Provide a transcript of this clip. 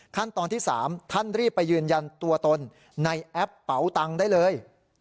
ขั้นตอนที่๓ท่านรีบไปยืนยันตัวตนในแอปเป๋าตังค์ได้เลย